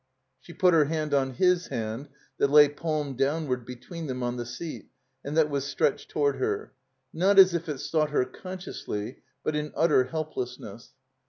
She put her hand on his hand that lay palm down ward between them on the seat and that was stretched toward her, not as if it sought her consciously, but in utter helplessness.